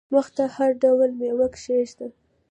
مخ ته هر ډول مېوه کښېږده !